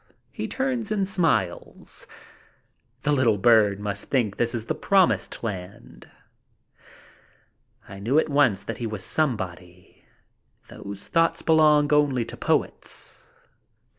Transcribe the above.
He turns and smiles. "The little bird must think this is the promised land." I knew at once that he was somebody. Those thoughts belong only to poets.